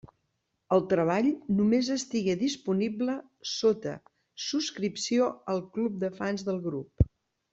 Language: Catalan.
El treball només estigué disponible sota subscripció al club de fans del grup.